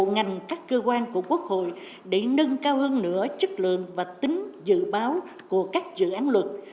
ngành các cơ quan của quốc hội để nâng cao hơn nữa chất lượng và tính dự báo của các dự án luật